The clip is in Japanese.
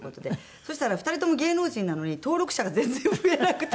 そしたら２人とも芸能人なのに登録者が全然増えなくて。